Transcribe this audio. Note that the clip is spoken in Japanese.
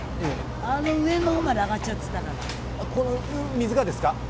あの上のほうまで上がっちゃって水がですか？